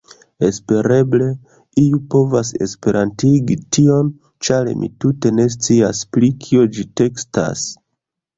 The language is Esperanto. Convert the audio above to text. Espereble, iu povas esperantigi tion ĉar mi tute ne scias, pri kio ĝi tekstas